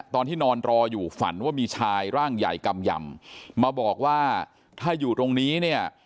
ตอนที่นอนรออยู่ฝันว่ามีชายร่างใหญ่กำยำมาบอกว่าถ้าอยู่ตรงนี้เนี่ย